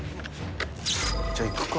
じゃあ行くか。